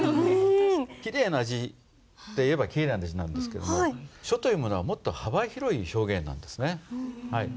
きれいな字っていえばきれいな字なんですけども書というものはもっと幅広い表現なんですね。